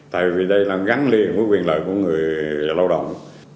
tại vì đây là gắn liền với quyền lợi của người lao động